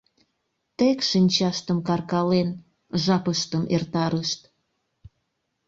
Тек шинчаштым каркален, жапыштым эртарышт...